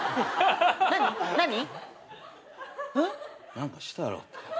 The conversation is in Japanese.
何かしたろ？